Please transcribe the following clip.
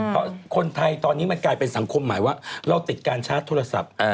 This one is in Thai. เพราะคนไทยตอนนี้มันกลายเป็นสังคมหมายว่าเราติดการชาร์จโทรศัพท์